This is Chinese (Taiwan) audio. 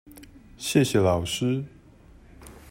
謝謝老師